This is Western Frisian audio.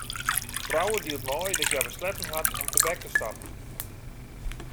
Brouwer dielt mei dat hja besletten hat om tebek te stappen.